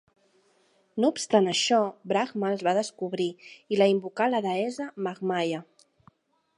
No obstant això, Brahma els va descobrir i la invocar la deessa Mahamaya.